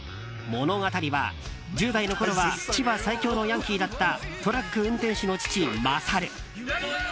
物語は、１０代のころは千葉最強のヤンキーだったトラック運転手の父・勝。